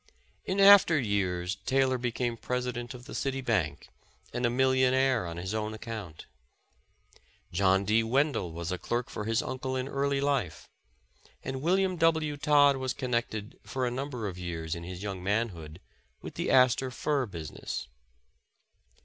In after years, Taylor became President of the City Bank, and a millionaire on his own account. John D. Wendel was a clerk for his uncle in early life, and William W. Todd was connected, for a number of years in his young manhood, with the Astor fur business.